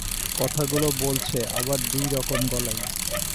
কথাগুলো বলছে আবার দুই রকম গলায়।